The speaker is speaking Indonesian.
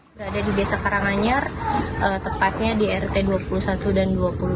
berada di desa karanganyar tepatnya di rt dua puluh satu dan dua puluh